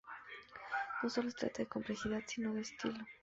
No solo se trata de complejidad, sino de estilo.